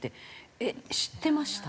えっ知ってました？